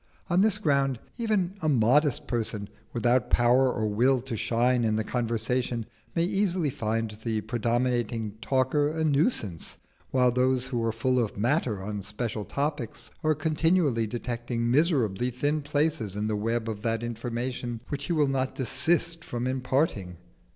On this ground even a modest person, without power or will to shine in the conversation, may easily find the predominating talker a nuisance, while those who are full of matter on special topics are continually detecting miserably thin places in the web of that information which he will not desist from imparting.